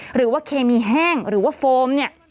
หรือว่าเคมีแห้งหรือว่าโฟมนี่